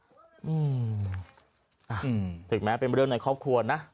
อืมอ่ะถึงแม้เป็นเรื่องในครอบครัวนะ